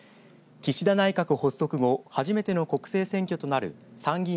岸田内閣発足後初めての国政選挙となる参議院